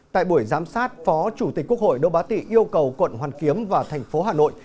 tại buổi giám sát phó chủ tịch quốc hội đỗ bá tị yêu cầu quận hoàn kiếm và thành phố hà nội